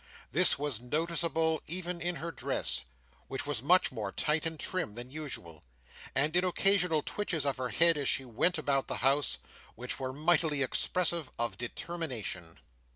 This was noticeable even in her dress, which was much more tight and trim than usual; and in occasional twitches of her head as she went about the house, which were mightily expressive of determination.